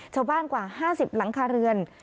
ชาวบ้านกว่า๕๐หลังคาเรือน